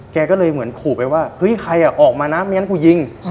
แกก็เลยเหมือนขู่ไปว่าเฮ้ยใครอ่ะออกมานะไม่งั้นกูยิง